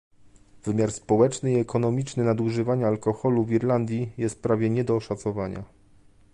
Wymiar społeczny i ekonomiczny nadużywania alkoholu w Irlandii jest prawie nie do oszacowania